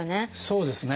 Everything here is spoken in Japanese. そうですね。